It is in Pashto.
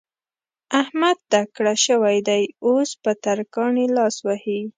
احمد تکړه شوی دی؛ اوس په ترکاڼي لاس وهي.